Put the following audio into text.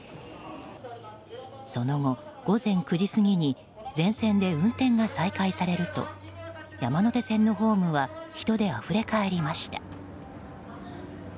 その後、午前９時過ぎに全線で運転が再開されると山手線のホームは人であふれかえりました。